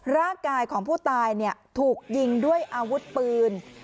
ร่างกายของผู้ตายถูกยิงด้วยอาวุธปืน